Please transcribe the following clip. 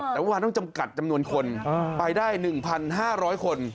แต่เมื่อวานต้องจำกัดจำนวนคนไปได้๑๕๐๐คน